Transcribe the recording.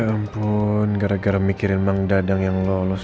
ya ampun gara gara mikirin emang dadang yang lolos